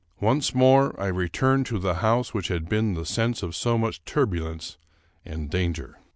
Once more I returned to the house which had been the scene of so much turbulence and danger.